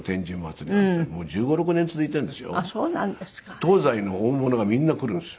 東西の大物がみんな来るんですよ。